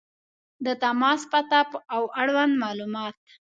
• د تماس پته او اړوند معلومات